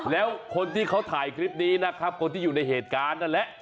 แล้วคนที่เขาถ่ายคลิปนี้นะครับคนที่อยู่ในเหตุการณ์นั่นแหละ